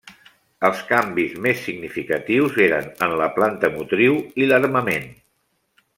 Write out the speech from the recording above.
Els canvis més significatius eren en la planta motriu i l'armament.